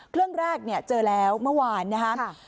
เครื่องแรกเนี่ยเจอแล้วเมื่อวานนะครับ